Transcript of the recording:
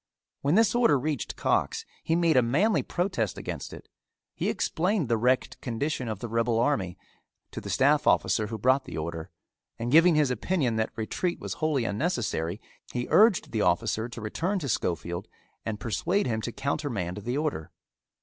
When this order reached Cox he made a manly protest against it. He explained the wrecked condition of the rebel army to the staff officer, who brought the order, and giving his opinion that retreat was wholly unnecessary, he urged the officer to return to Schofield and persuade him to countermand the order.